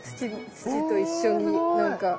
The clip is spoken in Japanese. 土と一緒になんか。